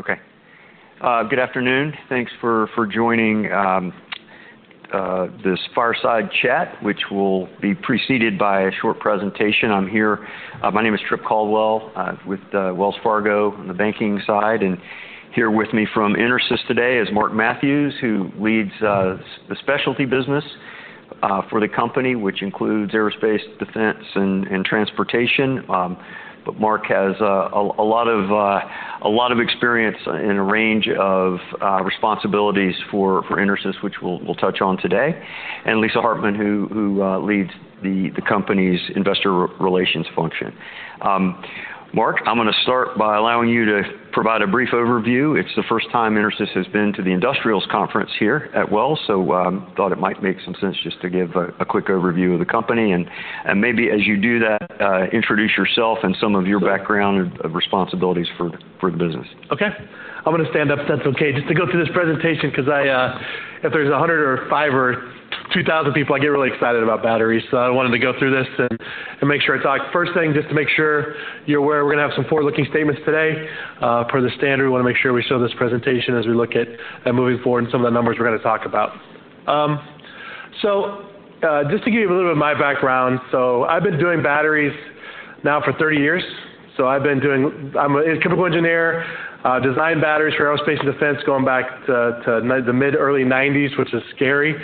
Okay. Good afternoon. Thanks for joining this fireside chat, which will be preceded by a short presentation. I'm here, my name is Tripp Caldwell. I'm with Wells Fargo on the banking side, and here with me from EnerSys today is Mark Matthews, who leads the specialty business for the company, which includes aerospace, defense, and transportation. But Mark has a lot of experience and a range of responsibilities for EnerSys, which we'll touch on today, and Lisa Hartman, who leads the company's investor relations function. Mark, I'm gonna start by allowing you to provide a brief overview. It's the first time EnerSys has been to the Industrials Conference here at Wells, so thought it might make some sense just to give a quick overview of the company, and maybe as you do that, introduce yourself and some of your background and responsibilities for the business. Okay. I'm gonna stand up if that's okay, just to go through this presentation, 'cause I, if there's 100 or 5 or 2,000 people, I get really excited about batteries, so I wanted to go through this and make sure I talk. First thing, just to make sure you're aware, we're gonna have some forward-looking statements today. Per the standard, we wanna make sure we show this presentation as we look at moving forward and some of the numbers we're gonna talk about. So, just to give you a little bit of my background, I've been doing batteries now for 30 years. So I've been doing—I'm a chemical engineer, designed batteries for aerospace and defense, going back to the mid-early 1990s, which is scary,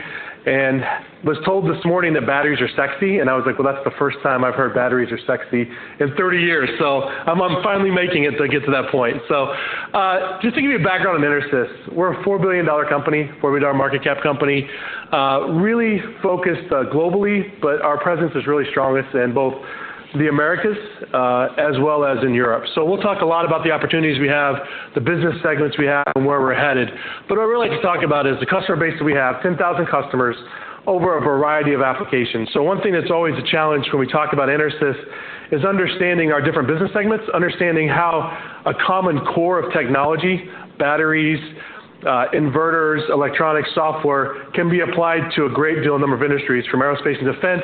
and was told this morning that batteries are sexy, and I was like, "Well, that's the first time I've heard batteries are sexy in 30 years," so I'm finally making it to get to that point. So just to give you a background on EnerSys, we're a $4 billion company, $4 billion market cap company. Really focused globally, but our presence is really strongest in both the Americas as well as in Europe. So we'll talk a lot about the opportunities we have, the business segments we have, and where we're headed. But what I'd really like to talk about is the customer base that we have, 10,000 customers over a variety of applications. So one thing that's always a challenge when we talk about EnerSys is understanding our different business segments, understanding how a common core of technology, batteries, inverters, electronic software, can be applied to a great deal, a number of industries, from aerospace and defense,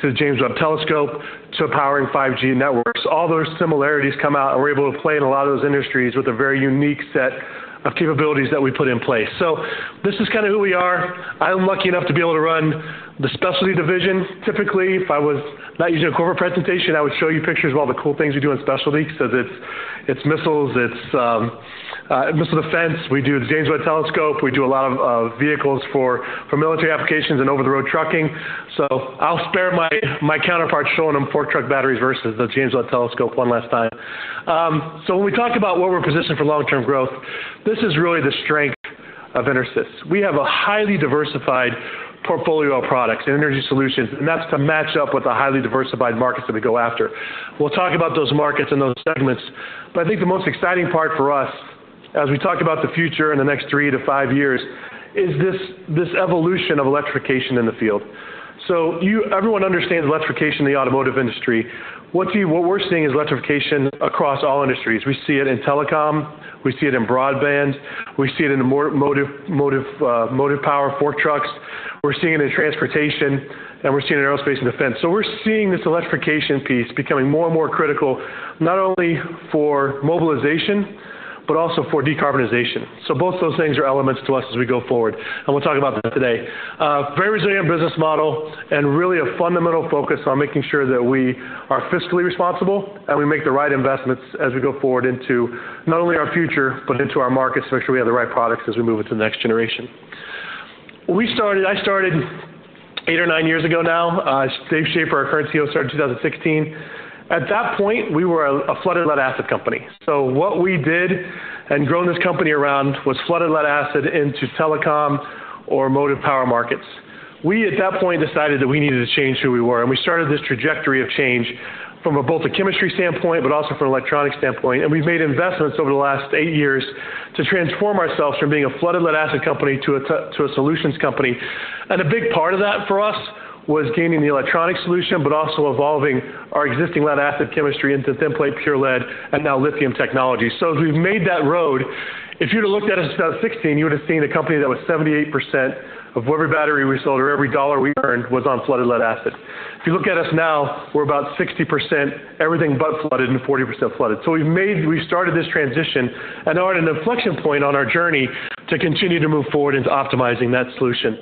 to the James Webb Telescope, to powering 5G networks. All those similarities come out, and we're able to play in a lot of those industries with a very unique set of capabilities that we put in place. So this is kind of who we are. I'm lucky enough to be able to run the specialty division. Typically, if I was not using a corporate presentation, I would show you pictures of all the cool things we do in specialty, because it's missiles, it's missile defense. We do the James Webb Telescope. We do a lot of vehicles for military applications and over-the-road trucking. So I'll spare my counterparts showing them fork truck batteries versus the James Webb Space Telescope one last time. So when we talk about where we're positioned for long-term growth, this is really the strength of EnerSys. We have a highly diversified portfolio of products and energy solutions, and that's to match up with the highly diversified markets that we go after. We'll talk about those markets and those segments, but I think the most exciting part for us, as we talk about the future in the next three to five years, is this evolution of electrification in the field. So, everyone understands electrification in the automotive industry. What we're seeing is electrification across all industries. We see it in telecom, we see it in broadband, we see it in the motive power, fork trucks. We're seeing it in transportation, and we're seeing it in aerospace and defense. So we're seeing this electrification piece becoming more and more critical, not only for mobilization, but also for decarbonization. So both those things are elements to us as we go forward, and we'll talk about them today. Very resilient business model, and really a fundamental focus on making sure that we are fiscally responsible, and we make the right investments as we go forward into not only our future, but into our markets, make sure we have the right products as we move into the next generation. I started eight or nine years ago now. David Shaffer, our current Chief Executive Officer, started in 2016. At that point, we were a flooded lead-acid company. So what we did, and grown this company around, was flooded lead-acid into telecom or Motive Power markets. We, at that point, decided that we needed to change who we were, and we started this trajectory of change from both a chemistry standpoint, but also from an electronics standpoint. And we've made investments over the last eight years to transform ourselves from being a flooded lead-acid company to a solutions company. And a big part of that, for us, was gaining the electronic solution, but also evolving our existing lead-acid chemistry into Thin Plate Pure Lead and now lithium technology. So as we've made that road, if you'd have looked at us in 2016, you would have seen a company that was 78% of every battery we sold or every dollar we earned was on flooded lead-acid. If you look at us now, we're about 60% everything but flooded and 40% flooded. So we've started this transition and are at an inflection point on our journey to continue to move forward into optimizing that solution.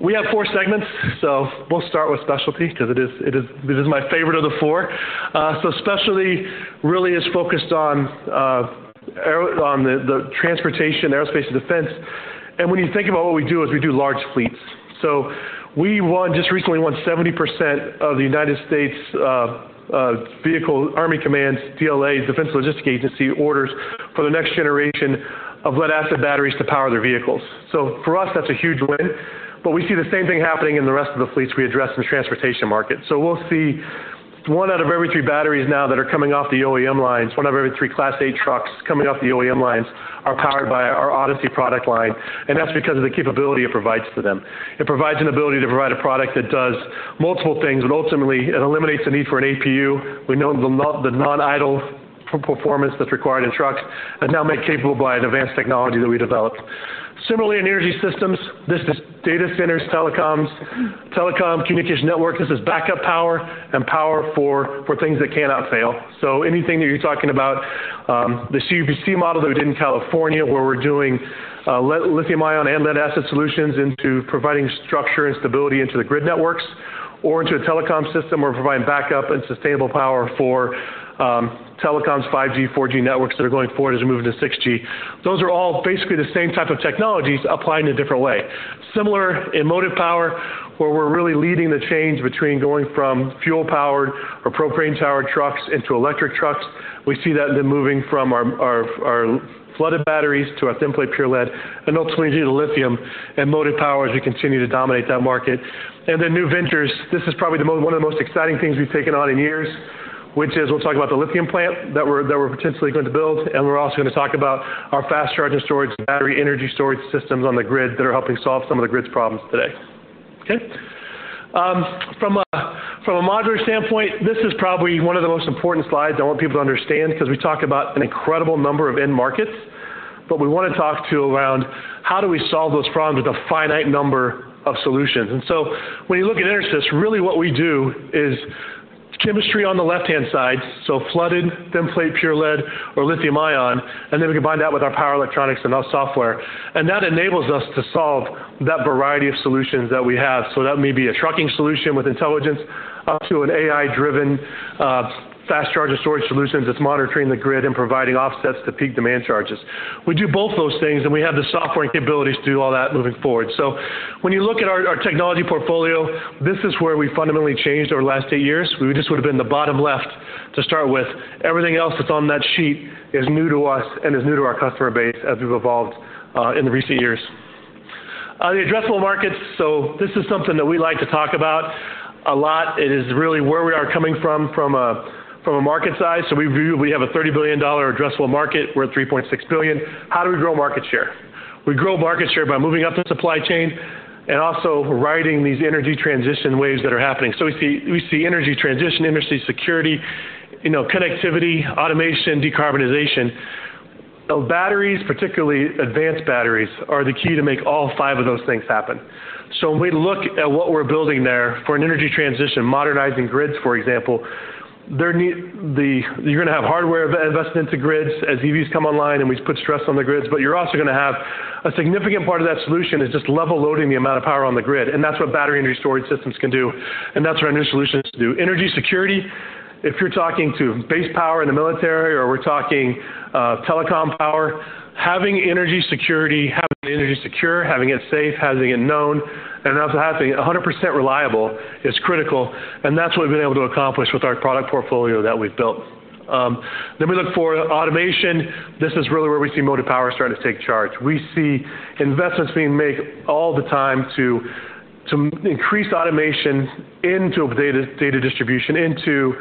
We have four segments, so we'll start with specialty because it is my favorite of the four. So specialty really is focused on the transportation, aerospace, and defense, and when you think about what we do is we do large fleets. So we won, just recently won 70% of the United States Vehicle Army Command's DLA, Defense Logistics Agency, orders for the next generation of lead-acid batteries to power their vehicles. So for us, that's a huge win, but we see the same thing happening in the rest of the fleets we address in the transportation market. So we'll see 1 out of every 3 batteries now that are coming off the OEM lines, 1 out of every 3 Class 8 trucks coming off the OEM lines are powered by our Odyssey product line, and that's because of the capability it provides to them. It provides an ability to provide a product that does multiple things, but ultimately, it eliminates the need for an APU. We know the non-idle performance that's required in trucks are now made capable by an advanced technology that we developed. Similarly, in energy systems, this is data centers, telecoms, telecom, communication network. This is backup power and power for things that cannot fail. So anything that you're talking about, the CVS model that we did in California, where we're doing lithium-ion and lead-acid solutions into providing structure and stability into the grid networks or into a telecom system, we're providing backup and sustainable power for telecoms, 5G, 4G networks that are going forward as we move into 6G. Those are all basically the same type of technologies applied in a different way. Similar in motive power, where we're really leading the change between going from fuel-powered or propane-powered trucks into electric trucks. We see that in the moving from our flooded batteries to our thin plate pure lead, and ultimately, to the lithium and motive power as we continue to dominate that market. And then new ventures, this is probably the one of the most exciting things we've taken on in years, which is, we'll talk about the lithium plant that we're potentially going to build, and we're also going to talk about our fast charging storage, battery energy storage systems on the grid that are helping solve some of the grid's problems today. Okay? From a modular standpoint, this is probably one of the most important slides I want people to understand, because we talk about an incredible number of end markets, but we want to talk to around how do we solve those problems with a finite number of solutions. And so when you look at EnerSys, really what we do is chemistry on the left-hand side, so flooded, thin plate, pure lead, or lithium-ion, and then we combine that with our power electronics and our software. And that enables us to solve that variety of solutions that we have. So that may be a trucking solution with intelligence, up to an AI-driven fast charger storage solutions that's monitoring the grid and providing offsets to peak demand charges. We do both those things, and we have the software and capabilities to do all that moving forward. So when you look at our technology portfolio, this is where we fundamentally changed over the last eight years. We just would have been the bottom left to start with. Everything else that's on that sheet is new to us and is new to our customer base as we've evolved in the recent years. The addressable markets, so this is something that we like to talk about a lot. It is really where we are coming from, from a, from a market size. So we view—we have a $30 billion addressable market. We're at $3.6 billion. How do we grow market share? We grow market share by moving up the supply chain and also riding these energy transition waves that are happening. So we see, we see energy transition, industry security, you know, connectivity, automation, decarbonization. So batteries, particularly advanced batteries, are the key to make all five of those things happen. So when we look at what we're building there for an energy transition, modernizing grids, for example, you're going to have hardware invest into grids as EVs come online, and we put stress on the grids, but you're also going to have a significant part of that solution is just level loading the amount of power on the grid, and that's what Battery Energy Storage Systems can do, and that's what our new solutions do. Energy security, if you're talking to base power in the military, or we're talking, telecom power, having energy security, having the energy secure, having it safe, having it known, and also having it 100% reliable, is critical, and that's what we've been able to accomplish with our product portfolio that we've built. Then we look for automation. This is really where we see motive power starting to take charge. We see investments being made all the time to increase automation into data distribution, into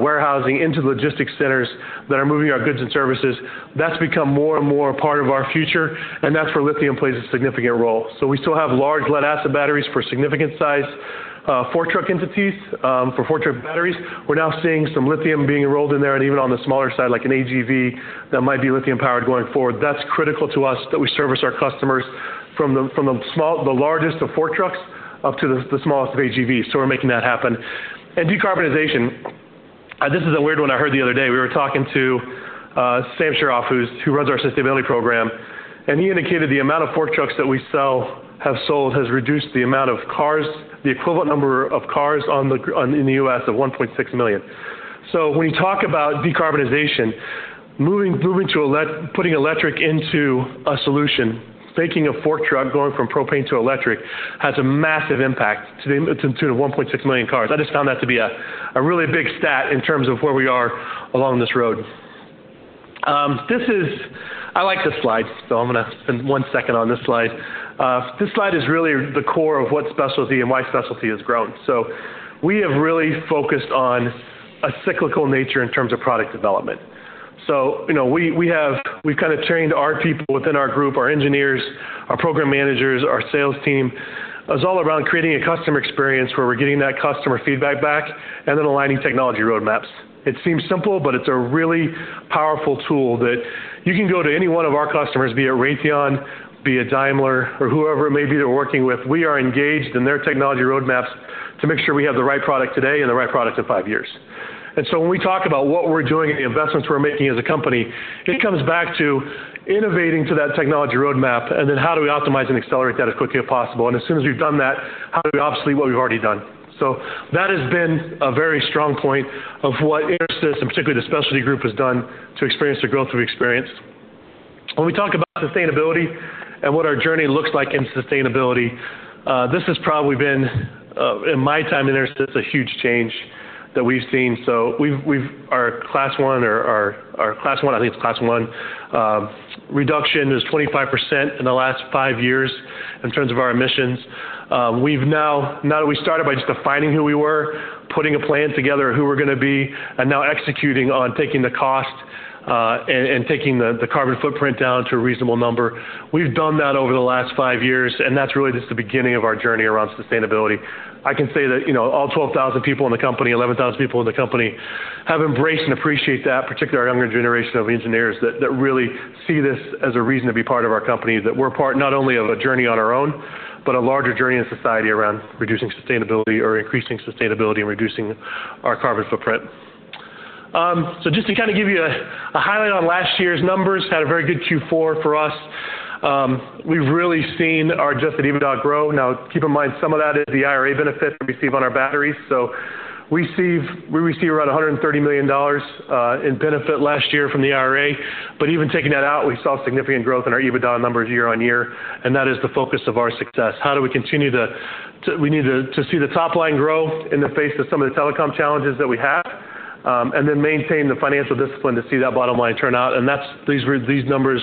warehousing, into logistics centers that are moving our goods and services. That's become more and more a part of our future, and that's where lithium plays a significant role. So we still have large lead-acid batteries for significant size fork truck entities for fork truck batteries. We're now seeing some lithium being rolled in there, and even on the smaller side, like an AGV, that might be lithium-powered going forward. That's critical to us, that we service our customers from the largest of fork trucks up to the smallest of AGVs, so we're making that happen. And decarbonization, this is a weird one I heard the other day. We were talking to Sam Sharaf, who runs our sustainability program, and he indicated the amount of fork trucks that we sell, have sold, has reduced the amount of cars, the equivalent number of cars in the U.S., of 1.6 million. So when you talk about decarbonization, moving to electric, putting electric into a solution, taking a fork truck, going from propane to electric, has a massive impact to the 1.6 million cars. I just found that to be a really big stat in terms of where we are along this road. I like this slide, so I'm going to spend one second on this slide. This slide is really the core of what specialty and why specialty has grown. So we have really focused on a cyclical nature in terms of product development. So you know, we've kind of trained our people within our group, our engineers, our program managers, our sales team, as all around creating a customer experience where we're getting that customer feedback back and then aligning technology roadmaps. It seems simple, but it's a really powerful tool that you can go to any one of our customers, be it Raytheon, be it Daimler, or whoever it may be they're working with. We are engaged in their technology roadmaps to make sure we have the right product today and the right product in five years. And so when we talk about what we're doing and the investments we're making as a company, it comes back to innovating to that technology roadmap, and then how do we optimize and accelerate that as quickly as possible? As soon as we've done that, how do we obsolete what we've already done? So that has been a very strong point of what EnerSys, and particularly the specialty group, has done to experience the growth we've experienced. When we talk about sustainability and what our journey looks like in sustainability, this has probably been, in my time at EnerSys, a huge change that we've seen. So we've our Class 1 or our Class 1, I think it's Class 1, reduction is 25% in the last five years in terms of our emissions. We've now that we started by just defining who we were, putting a plan together of who we're going to be, and now executing on taking the cost, and taking the carbon footprint down to a reasonable number. We've done that over the last five years, and that's really just the beginning of our journey around sustainability. I can say that, you know, all 11,000 people in the company have embraced and appreciate that, particularly our younger generation of engineers, that, that really see this as a reason to be part of our company, that we're part not only of a journey on our own, but a larger journey in society around reducing sustainability or increasing sustainability and reducing our carbon footprint. So just to kind of give you a highlight on last year's numbers, had a very good Q4 for us. We've really seen our adjusted EBITDA grow. Now, keep in mind, some of that is the IRA benefit we receive on our batteries. So we received around $130 million in benefit last year from the IRA. But even taking that out, we saw significant growth in our EBITDA numbers year-on-year, and that is the focus of our success. How do we continue to see the top line grow in the face of some of the telecom challenges that we have, and then maintain the financial discipline to see that bottom line turn out. And that's these numbers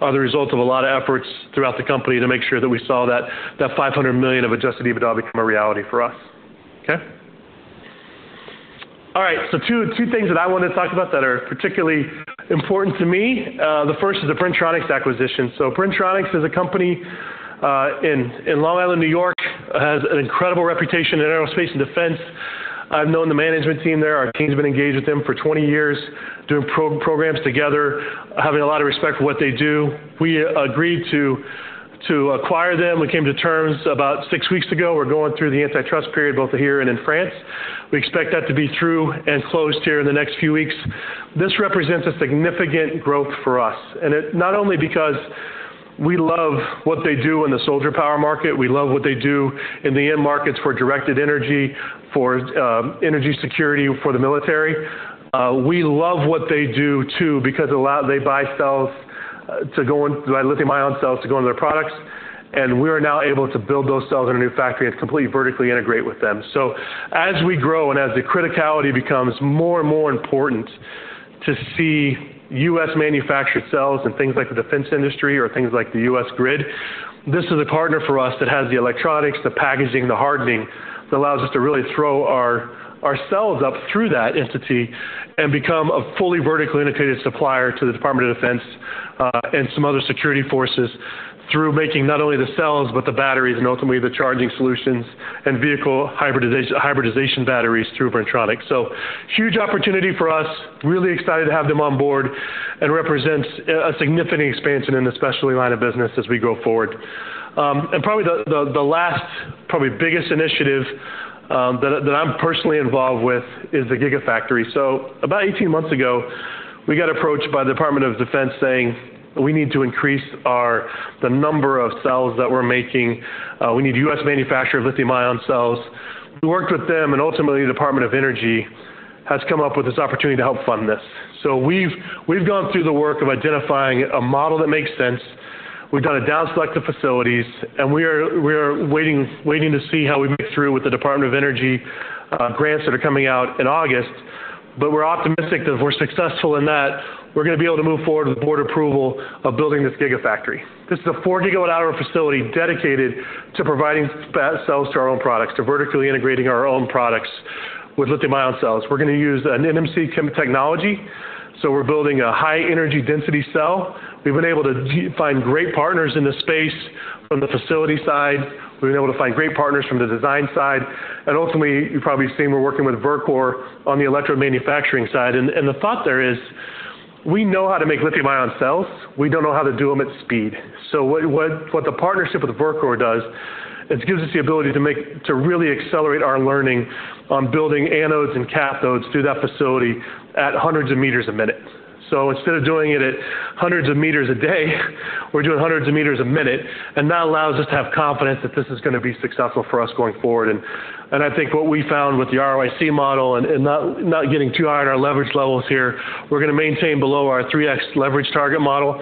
are the result of a lot of efforts throughout the company to make sure that we saw that $500 million of adjusted EBITDA become a reality for us. Okay? All right, so two things that I wanted to talk about that are particularly important to me. The first is the Bren-Tronics acquisition. So Bren-Tronics is a company in Long Island, New York, has an incredible reputation in aerospace and defense. I've known the management team there. Our team's been engaged with them for 20 years, doing programs together, having a lot of respect for what they do. We agreed to acquire them. We came to terms about 6 weeks ago. We're going through the antitrust period, both here and in France. We expect that to be through and closed here in the next few weeks. This represents a significant growth for us, and it not only because we love what they do in the soldier power market, we love what they do in the end markets for directed energy, for energy security for the military. We love what they do, too, because a lot... They buy cells to go lithium-ion cells to go into their products, and we are now able to build those cells in a new factory and completely vertically integrate with them. So as we grow and as the criticality becomes more and more important to see U.S.-manufactured cells and things like the defense industry or things like the U.S. grid, this is a partner for us that has the electronics, the packaging, the hardening, that allows us to really throw our cells up through that entity and become a fully vertically integrated supplier to the Department of Defense and some other security forces through making not only the cells, but the batteries and ultimately the charging solutions and vehicle hybridization, hybridization batteries through Bren-Tronics. So huge opportunity for us. Really excited to have them on board, and represents a significant expansion in the specialty line of business as we go forward. And probably the last, probably biggest initiative that I'm personally involved with is the Gigafactory. So about 18 months ago, we got approached by the Department of Defense saying, "We need to increase our, the number of cells that we're making. We need U.S.-manufactured lithium-ion cells." We worked with them, and ultimately, the Department of Energy has come up with this opportunity to help fund this. So we've gone through the work of identifying a model that makes sense. We've done a down select of facilities, and we are waiting to see how we make it through with the Department of Energy grants that are coming out in August. But we're optimistic that if we're successful in that, we're gonna be able to move forward with the board approval of building this Gigafactory. This is a 4-gigawatt-hour facility dedicated to providing battery cells to our own products, to vertically integrating our own products with lithium-ion cells. We're gonna use an NMC chem technology, so we're building a high-energy density cell. We've been able to find great partners in this space from the facility side, we've been able to find great partners from the design side, and ultimately, you've probably seen we're working with Verkor on the electrode manufacturing side. And the thought there is, we know how to make lithium-ion cells, we don't know how to do them at speed. So what the partnership with Verkor does, it gives us the ability to make to really accelerate our learning on building anodes and cathodes through that facility at hundreds of meters a minute. So instead of doing it at hundreds of meters a day, we're doing hundreds of meters a minute, and that allows us to have confidence that this is gonna be successful for us going forward. And I think what we found with the ROIC model and not getting too high on our leverage levels here, we're gonna maintain below our 3x leverage target model.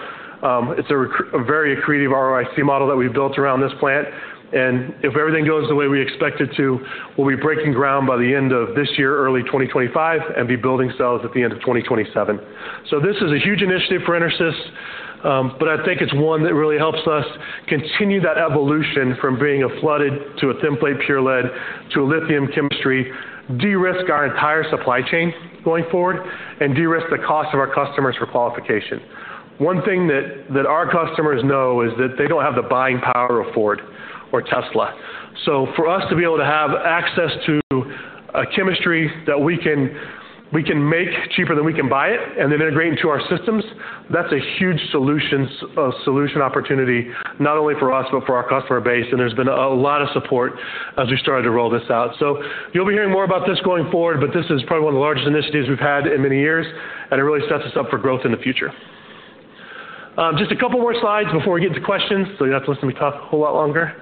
It's a very accretive ROIC model that we've built around this plant, and if everything goes the way we expect it to, we'll be breaking ground by the end of this year, early 2025, and be building cells at the end of 2027. So this is a huge initiative for EnerSys, but I think it's one that really helps us continue that evolution from being a flooded to a thin plate pure lead, to a lithium chemistry, de-risk our entire supply chain going forward, and de-risk the cost of our customers for qualification. One thing that our customers know is that they don't have the buying power of Ford or Tesla. So for us to be able to have access to a chemistry that we can make cheaper than we can buy it, and then integrate into our systems, that's a huge solutions, solution opportunity, not only for us, but for our customer base, and there's been a lot of support as we started to roll this out. So you'll be hearing more about this going forward, but this is probably one of the largest initiatives we've had in many years, and it really sets us up for growth in the future. Just a couple more slides before we get to questions, so you don't have to listen to me talk a whole lot longer.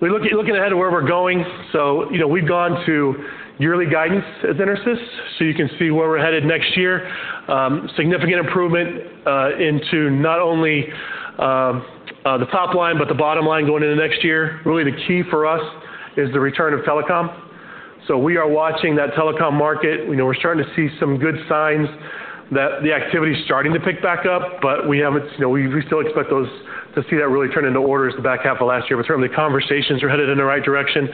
We're looking ahead at where we're going. So, you know, we've gone to yearly guidance at EnerSys, so you can see where we're headed next year. Significant improvement into not only the top line, but the bottom line going into next year. Really, the key for us is the return of telecom. So we are watching that telecom market. We know we're starting to see some good signs that the activity is starting to pick back up, but we haven't, you know, we, we still expect those to see that really turn into orders the back half of last year. But certainly, conversations are headed in the right direction.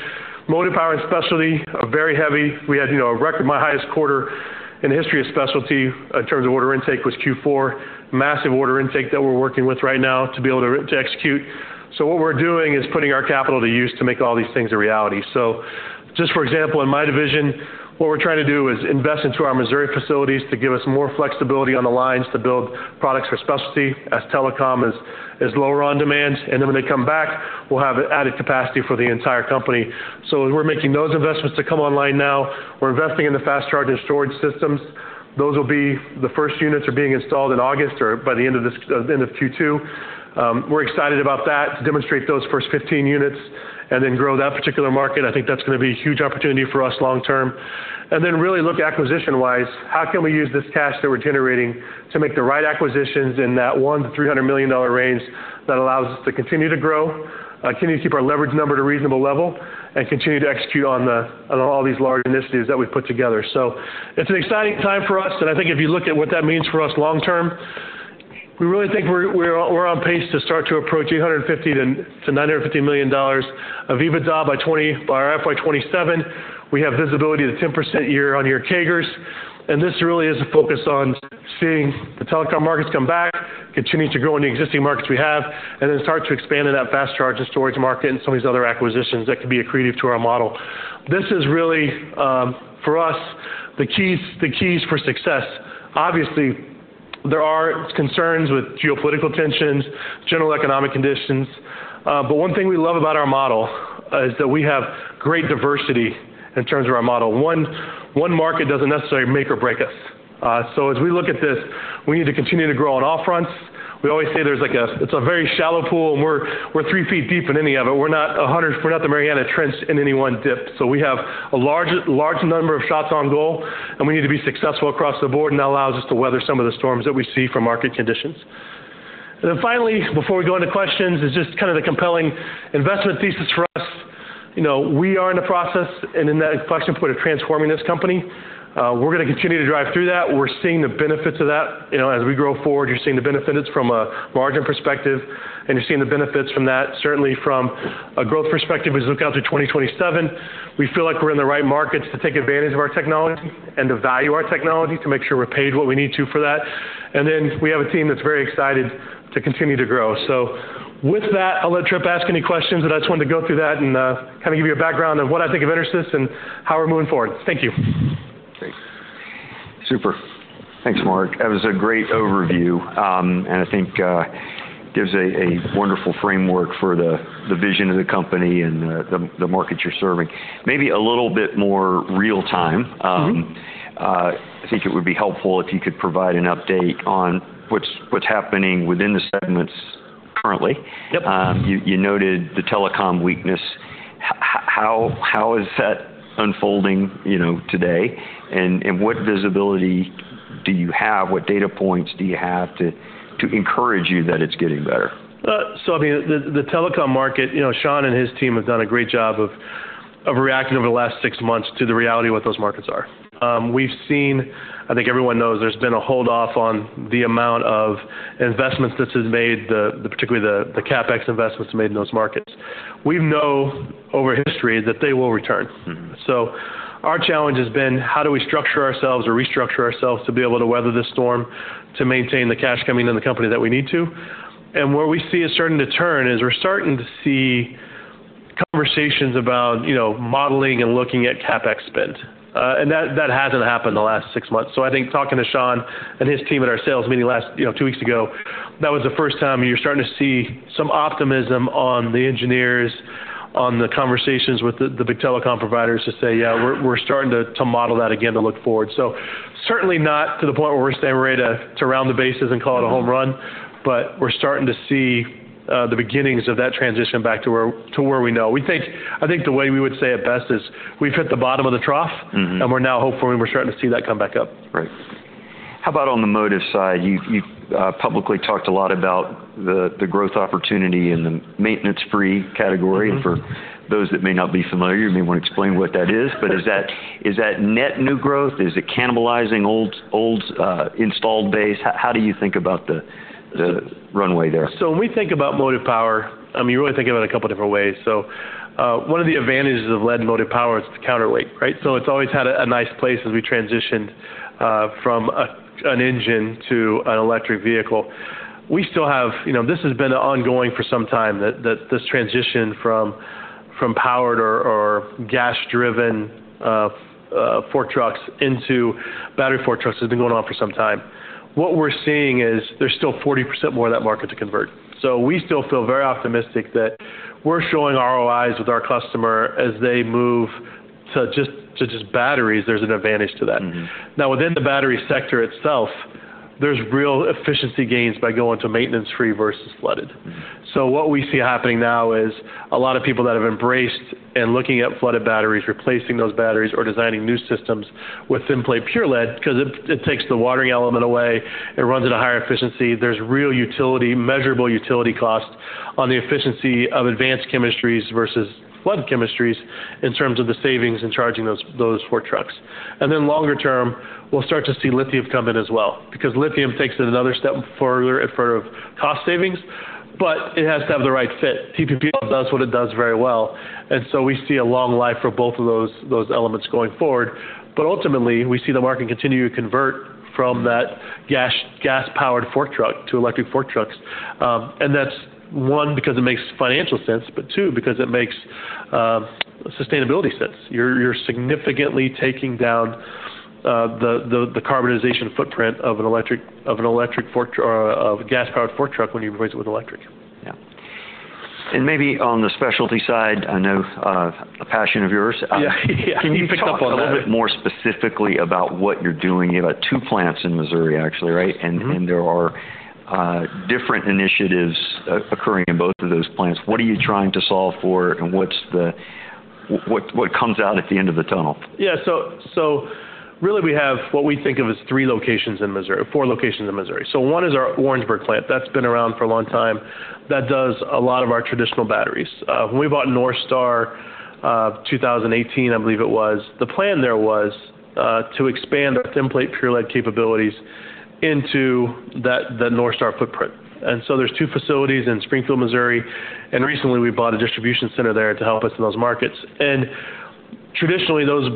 Motive Power and Specialty are very heavy. We had, you know, a record, my highest quarter in the history of specialty, in terms of order intake, was Q4. Massive order intake that we're working with right now to be able to, to execute. So what we're doing is putting our capital to use to make all these things a reality. So just for example, in my division, what we're trying to do is invest into our Missouri facilities to give us more flexibility on the lines to build products for specialty as telecom is lower on demand, and then when they come back, we'll have added capacity for the entire company. So we're making those investments to come online now. We're investing in the fast charge and storage systems. Those will be the first units are being installed in August or by the end of this end of Q2. We're excited about that, to demonstrate those first 15 units and then grow that particular market. I think that's gonna be a huge opportunity for us long term. And then really look acquisition-wise, how can we use this cash that we're generating to make the right acquisitions in that $100-$300 million range that allows us to continue to grow, continue to keep our leverage number at a reasonable level, and continue to execute on all these large initiatives that we've put together? So it's an exciting time for us, and I think if you look at what that means for us long term, we really think we're on pace to start to approach $850-$950 million of EBITDA by our FY 2027. We have visibility to 10% year-on-year CAGRs, and this really is a focus on seeing the telecom markets come back, continuing to grow in the existing markets we have, and then start to expand in that fast charge and storage market and some of these other acquisitions that can be accretive to our model. This is really, for us, the keys, the keys for success. Obviously, there are concerns with geopolitical tensions, general economic conditions, but one thing we love about our model is that we have great diversity in terms of our model. One, one market doesn't necessarily make or break us. So as we look at this, we need to continue to grow on all fronts. We always say there's like, it's a very shallow pool, and we're, we're three feet deep in any of it. We're not the Mariana Trench in any one dip. So we have a large, large number of shots on goal, and we need to be successful across the board, and that allows us to weather some of the storms that we see from market conditions. And then finally, before we go into questions, is just kind of the compelling investment thesis for us. You know, we are in the process and in that inflection point of transforming this company. We're gonna continue to drive through that. We're seeing the benefits of that. You know, as we grow forward, you're seeing the benefits from a margin perspective, and you're seeing the benefits from that. Certainly from a growth perspective, as we look out to 2027, we feel like we're in the right markets to take advantage of our technology and to value our technology, to make sure we're paid what we need to for that. And then we have a team that's very excited to continue to grow. So with that, I'll let Tripp ask any questions, but I just wanted to go through that and kind of give you a background of what I think of EnerSys and how we're moving forward. Thank you. Great. Super. Thanks, Mark. That was a great overview, and I think gives a wonderful framework for the vision of the company and the market you're serving. Maybe a little bit more real time. Mm-hmm. I think it would be helpful if you could provide an update on what's happening within the segments currently. Yep. You noted the telecom weakness. How is that unfolding, you know, today? And what visibility do you have, what data points do you have to encourage you that it's getting better? So I mean, the telecom market, you know, Shawn and his team have done a great job of reacting over the last six months to the reality of what those markets are. We've seen... I think everyone knows there's been a hold off on the amount of investments that is made, particularly the CapEx investments made in those markets. We know over history that they will return. Mm-hmm. So our challenge has been: how do we structure ourselves or restructure ourselves to be able to weather this storm, to maintain the cash coming into the company that we need to? And where we see it starting to turn is we're starting to see conversations about, you know, modeling and looking at CapEx spend. And that hasn't happened in the last six months. So I think talking to Shawn and his team at our sales meeting last, you know, two weeks ago, that was the first time you're starting to see some optimism on the engineers, on the conversations with the big telecom providers to say, "Yeah, we're starting to model that again, to look forward." So certainly not to the point where we're saying we're ready to round the bases and call it a home run- Mm-hmm. but we're starting to see the beginnings of that transition back to where we know. I think the way we would say it best is we've hit the bottom of the trough. Mm-hmm and we're now hopeful, and we're starting to see that come back up. Right. How about on the motive side? You've publicly talked a lot about the growth opportunity in the maintenance-free category. Mm-hmm. For those that may not be familiar, you may want to explain what that is. But is that, is that net new growth? Is it cannibalizing old, old, installed base? How do you think about the, the runway there? So when we think about motive power, I mean, we really think about it a couple different ways. So, one of the advantages of lead motive power is the counterweight, right? So it's always had a nice place as we transitioned from an engine to an electric vehicle. We still have... You know, this has been ongoing for some time, that this transition from powered or gas-driven fork trucks into battery fork trucks has been going on for some time. What we're seeing is there's still 40% more of that market to convert. So we still feel very optimistic that we're showing ROIs with our customer as they move to just batteries, there's an advantage to that. Mm-hmm. Now, within the battery sector itself, there's real efficiency gains by going to maintenance-free versus flooded. Mm-hmm. So what we see happening now is a lot of people that have embraced in looking at flooded batteries, replacing those batteries, or designing new systems with thin plate pure lead, 'cause it, it takes the watering element away, it runs at a higher efficiency. There's real utility, measurable utility cost on the efficiency of advanced chemistries versus flood chemistries in terms of the savings in charging those, those fork trucks. And then longer term, we'll start to see lithium come in as well, because lithium takes it another step further in front of cost savings, but it has to have the right fit. TPP does what it does very well, and so we see a long life for both of those, those elements going forward. But ultimately, we see the market continue to convert from that gas, gas-powered fork truck to electric fork trucks. And that's one, because it makes financial sense, but two, because it makes sustainability sense. You're significantly taking down the carbon footprint of a gas-powered fork truck when you replace it with electric. Yeah. And maybe on the specialty side, I know, a passion of yours. Yeah. Yeah. Can you pick up a little bit more specifically about what you're doing? You have 2 plants in Missouri, actually, right? Mm-hmm. There are different initiatives occurring in both of those plants. What are you trying to solve for, and what's the-- what, what comes out at the end of the tunnel? Yeah, so, so really we have what we think of as three locations in Missouri—four locations in Missouri. So one is our Orangeburg plant. That's been around for a long time. That does a lot of our traditional batteries. When we bought NorthStar, 2018, I believe it was, the plan there was to expand our thin plate pure lead capabilities into that—the NorthStar footprint. And so there's two facilities in Springfield, Missouri, and recently we bought a distribution center there to help us in those markets. And traditionally, those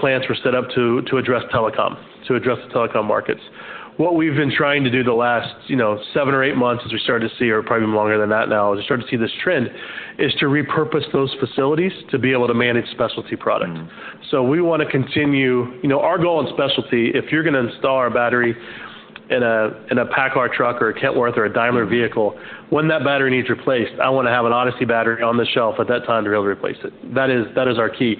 plants were set up to address telecom, to address the telecom markets. What we've been trying to do the last, you know, 7 or 8 months, as we started to see, or probably longer than that now, as we start to see this trend, is to repurpose those facilities to be able to manage specialty product. Mm. So we wanna continue... You know, our goal in specialty, if you're gonna install our battery in a PACCAR truck or a Kenworth or a Daimler vehicle, when that battery needs replaced, I wanna have an ODYSSEY battery on the shelf at that time to be able to replace it. That is, that is our key.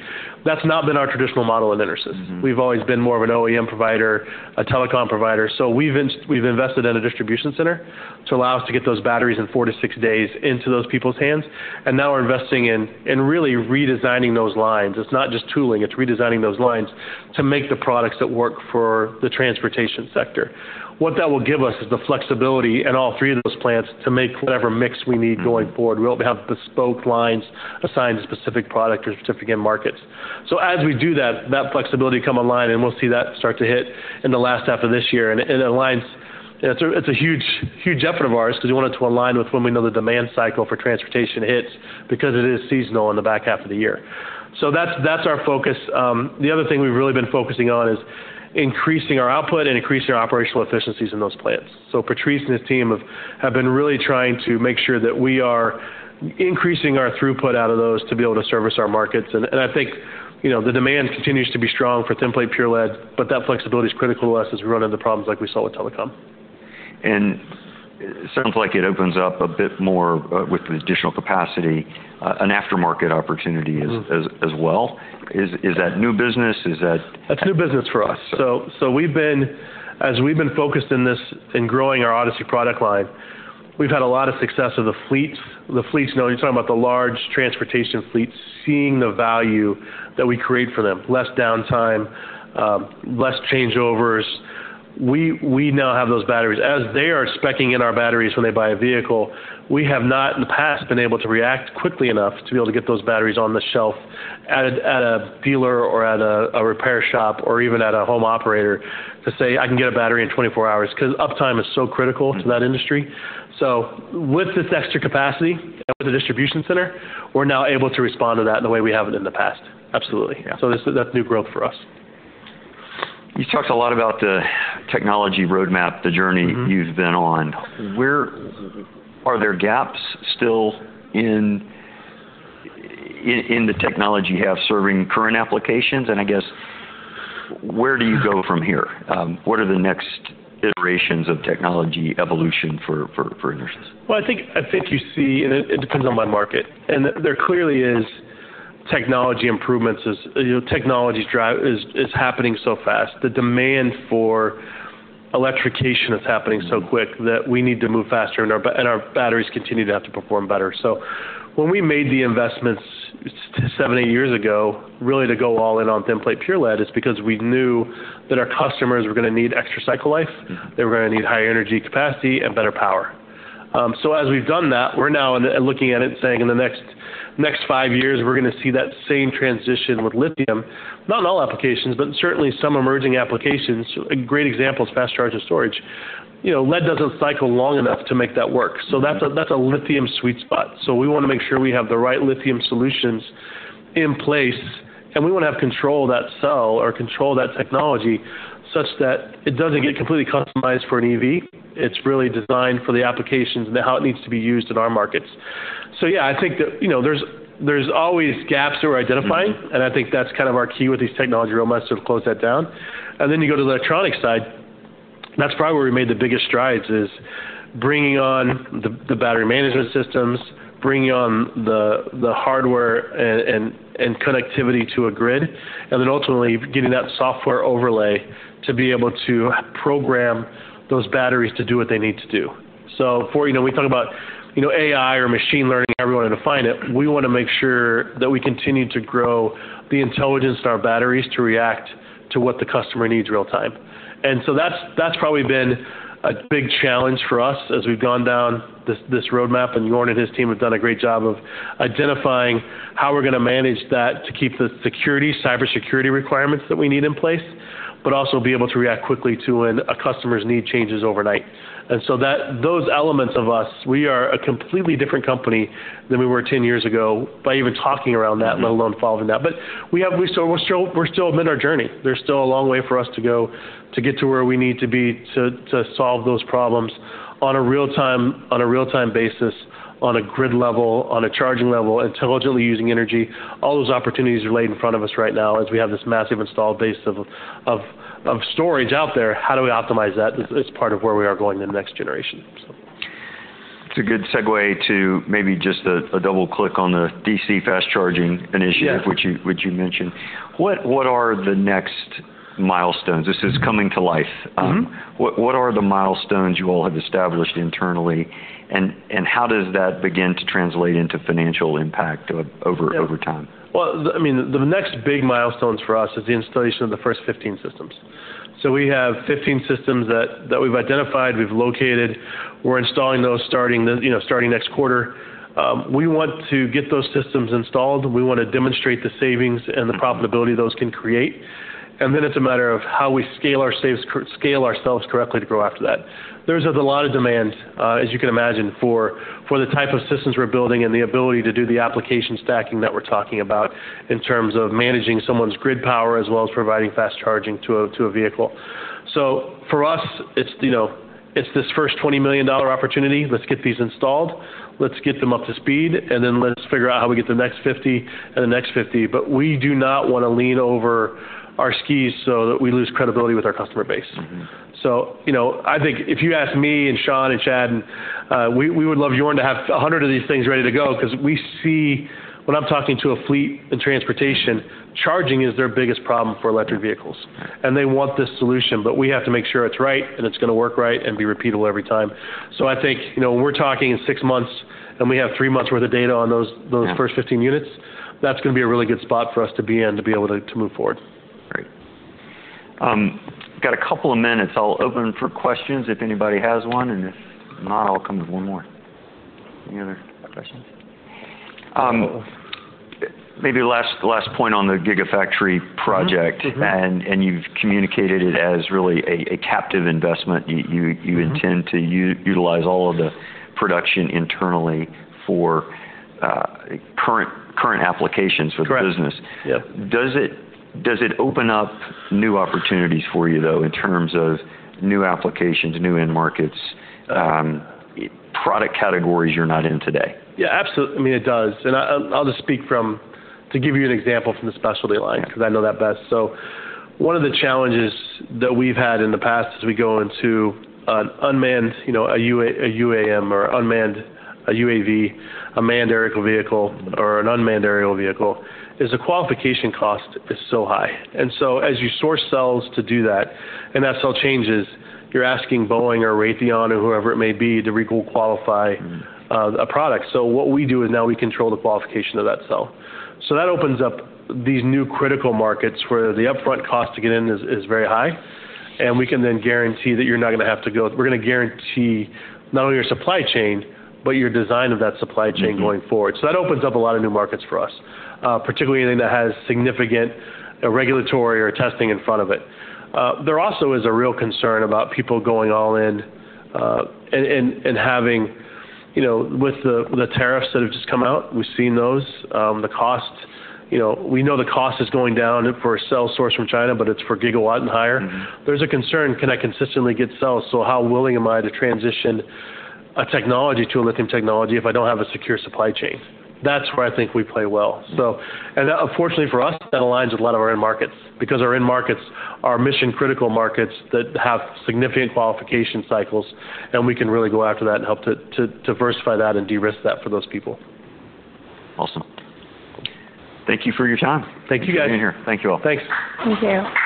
That's not been our traditional model at EnerSys. Mm-hmm. We've always been more of an OEM provider, a telecom provider, so we've invested in a distribution center to allow us to get those batteries in 4-6 days into those people's hands, and now we're investing in, and really redesigning those lines. It's not just tooling, it's redesigning those lines to make the products that work for the transportation sector. What that will give us is the flexibility in all three of those plants to make whatever mix we need going forward. Mm-hmm. We won't have bespoke lines assigned to specific product or specific end markets. So as we do that, that flexibility come online, and we'll see that start to hit in the last half of this year. And, and it aligns... It's a, it's a huge, huge effort of ours, because we want it to align with when we know the demand cycle for transportation hits, because it is seasonal in the back half of the year. So that's, that's our focus. The other thing we've really been focusing on is increasing our output and increasing our operational efficiencies in those plants. So Patrice and his team have, have been really trying to make sure that we are increasing our throughput out of those to be able to service our markets. I think, you know, the demand continues to be strong for Thin Plate Pure Lead, but that flexibility is critical to us as we run into problems like we saw with telecom. It sounds like it opens up a bit more, with the additional capacity, an aftermarket opportunity- Mm as well. Is that new business? Is that- That's new business for us. So, so we've been, as we've been focused in this, in growing our Odyssey product line, we've had a lot of success with the fleets. The fleets, you know, you're talking about the large transportation fleets, seeing the value that we create for them: less downtime, less changeovers. We, we now have those batteries. As they are speccing in our batteries when they buy a vehicle, we have not, in the past, been able to react quickly enough to be able to get those batteries on the shelf at a, at a dealer or at a, a repair shop, or even at a home operator, to say, "I can get a battery in 24 hours," 'cause uptime is so critical- Mm to that industry. So with this extra capacity at the distribution center, we're now able to respond to that in the way we haven't in the past. Absolutely. Yeah. So that's new growth for us. You talked a lot about the technology roadmap, the journey- Mm-hmm You've been on. Where... Are there gaps still in the technology you have serving current applications? And I guess, where do you go from here? What are the next iterations of technology evolution for EnerSys? Well, I think you see, and it depends on what market. And there clearly is technology improvements as, you know, technology drive is happening so fast. The demand for electrification is happening so quick- Mm that we need to move faster, and our batteries continue to have to perform better. So when we made the investments 7, 8 years ago, really to go all in on thin plate pure lead, it's because we knew that our customers were gonna need extra cycle life. Mm. They were gonna need higher energy capacity and better power. So as we've done that, we're now looking at it and saying, in the next five years, we're gonna see that same transition with lithium. Not in all applications, but certainly some emerging applications. A great example is fast charger storage. You know, lead doesn't cycle long enough to make that work. Mm. So that's a, that's a lithium sweet spot. So we wanna make sure we have the right lithium solutions in place, and we wanna have control of that cell or control of that technology, such that it doesn't get completely customized for an EV. It's really designed for the applications and how it needs to be used in our markets. So yeah, I think that, you know, there's, there's always gaps that we're identifying- Mm - and I think that's kind of our key with these technology roadmaps, so close that down. And then you go to the electronic side, that's probably where we made the biggest strides, is bringing on the battery management systems, bringing on the hardware and connectivity to a grid, and then ultimately, getting that software overlay to be able to program those batteries to do what they need to do. So, you know, we talk about, you know, AI or machine learning, however you want to define it, we wanna make sure that we continue to grow the intelligence in our batteries to react to what the customer needs real time. And so that's, that's probably been a big challenge for us as we've gone down this, this roadmap, and Joern and his team have done a great job of identifying how we're gonna manage that to keep the security, cybersecurity requirements that we need in place, but also be able to react quickly to when a customer's need changes overnight. And so that—those elements of us, we are a completely different company than we were ten years ago by even talking around that- Mm Let alone following that. But we have. We're still, we're still amid our journey. There's still a long way for us to go to get to where we need to be to, to solve those problems... on a real-time, on a real-time basis, on a grid level, on a charging level, intelligently using energy, all those opportunities are laid in front of us right now as we have this massive installed base of, of, of storage out there. How do we optimize that? It's, it's part of where we are going in the next generation, so. It's a good segue to maybe just a double click on the DC fast charging initiative. Yeah. which you mentioned. What are the next milestones? This is coming to life. Mm-hmm. What are the milestones you all have established internally, and how does that begin to translate into financial impact over time? Well, I mean, the next big milestones for us is the installation of the first 15 systems. So we have 15 systems that we've identified, we've located. We're installing those, starting, you know, next quarter. We want to get those systems installed. We wanna demonstrate the savings and the profitability those can create, and then it's a matter of how we scale ourselves correctly to grow after that. There's a lot of demand, as you can imagine, for the type of systems we're building and the ability to do the application stacking that we're talking about, in terms of managing someone's grid power, as well as providing fast charging to a vehicle. So for us, it's, you know, it's this first $20 million opportunity. Let's get these installed, let's get them up to speed, and then let's figure out how we get the next 50 and the next 50. But we do not wanna lean over our skis so that we lose credibility with our customer base. Mm-hmm. So, you know, I think if you ask me, and Shawn, and Chad, and we would love to have 100 of these things ready to go, 'cause we see... When I'm talking to a fleet in transportation, charging is their biggest problem for electric vehicles, and they want this solution. But we have to make sure it's right, and it's gonna work right, and be repeatable every time. So I think, you know, when we're talking in six months, and we have three months worth of data on those- Yeah... those first 15 units, that's gonna be a really good spot for us to be in, to be able to, to move forward. Great. Got a couple of minutes. I'll open for questions if anybody has one, and if not, I'll come with one more. Any other questions? Maybe last, last point on the Gigafactory project- Mm-hmm, mm-hmm. and you've communicated it as really a captive investment. You, you- Mm-hmm... you intend to utilize all of the production internally for current, current applications for the business. Correct. Yep. Does it, does it open up new opportunities for you, though, in terms of new applications, new end markets, product categories you're not in today? Yeah, I mean, it does, and I, I'll just speak from, to give you an example from the specialty line, because I know that best. So one of the challenges that we've had in the past as we go into an unmanned, you know, a UA, a UAM or unmanned, a UAV, a manned aerial vehicle or an unmanned aerial vehicle, is the qualification cost is so high. And so as you source cells to do that, and that cell changes, you're asking Boeing or Raytheon, or whoever it may be, to re-qualify- Mm-hmm... a product. So what we do is now we control the qualification of that cell. So that opens up these new critical markets, where the upfront cost to get in is very high, and we can then guarantee that you're not gonna have to go-- We're gonna guarantee not only your supply chain but your design of that supply chain going forward. Mm-hmm. So that opens up a lot of new markets for us, particularly anything that has significant regulatory or testing in front of it. There also is a real concern about people going all in, and having... You know, with the, the tariffs that have just come out, we've seen those, the cost. You know, we know the cost is going down for a cell sourced from China, but it's for gigawatt and higher. Mm-hmm. There’s a concern, can I consistently get cells? So how willing am I to transition a technology to a lithium technology if I don’t have a secure supply chain? That’s where I think we play well. Mm-hmm. Fortunately for us, that aligns with a lot of our end markets, because our end markets are mission-critical markets that have significant qualification cycles, and we can really go after that and help to diversify that and de-risk that for those people. Awesome. Thank you for your time. Thank you, guys. Thank you for being here. Thank you all. Thanks. Thank you.